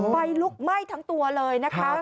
ไฟลุกไหม้ทั้งตัวเลยนะคะ